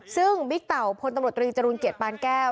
ซึ่งบิต่าวคนตำรวจริจรุณเกียจปานแก้ว